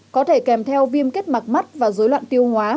có thể kèm theo viêm kết mặt mắt và dối loạn tiêu hóa